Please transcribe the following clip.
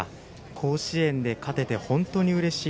甲子園で勝てて本当にうれしい。